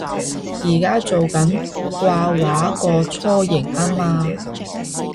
而家做緊掛畫個雛形吖嘛